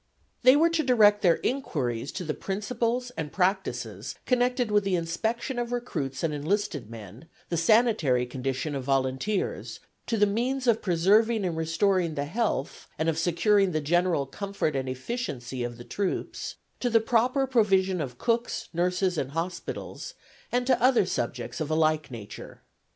They were to direct their inquiries to the principles and practices connected with the inspection of recruits and enlisted men, the sanitary condition of volunteers, to the means of preserving and restoring the health and of securing the general comfort and efficiency of the troops, to the proper provision of cooks, nurses and hospitals, and to other subjects of a like nature.